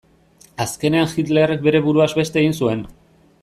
Azkenean Hitlerrek bere buruaz beste egin zuen.